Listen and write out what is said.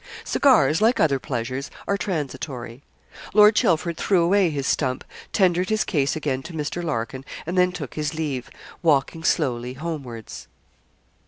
Cigars, like other pleasures, are transitory. Lord Chelford threw away his stump, tendered his case again to Mr. Larkin, and then took his leave, walking slowly homewards.